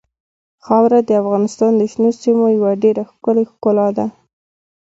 خاوره د افغانستان د شنو سیمو یوه ډېره ښکلې ښکلا ده.